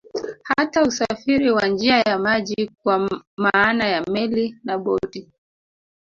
Hata usafiri wa njia ya maji kwa maana ya Meli na boti